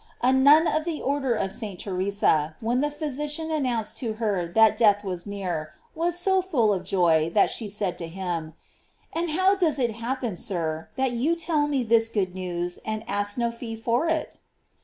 A. nun of the or der of St. Theresa, when the physician announced to her that death was near, was so full of joy that she said to him: "And how does it happen, sir, that you tell me this good news and ask no fee for it?"